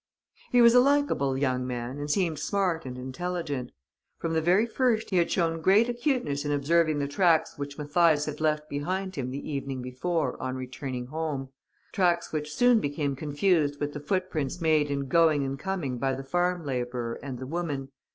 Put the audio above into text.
He was a likable young man and seemed smart and intelligent. From the very first he had shown great acuteness in observing the tracks which Mathias had left behind him, the evening before, on returning home, tracks which soon became confused with the footprints made in going and coming by the farm labourer and the woman.